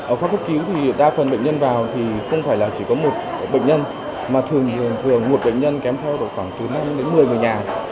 ở các khu cứu thì đa phần bệnh nhân vào thì không phải là chỉ có một bệnh nhân mà thường một bệnh nhân kém theo khoảng từ năm đến một mươi người nhà